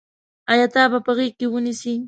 آیا تا به په غېږ کې ونیسي.